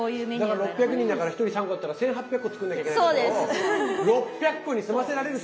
だから６００人だから１人３個っていうのは１，８００個作んなきゃいけないところを６００個に済ませられると。